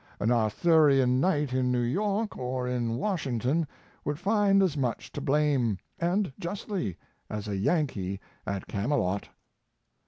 An Arthurian Knight in New York or in Washington would find as much to blame, and justly, as a Yankee at Camelot.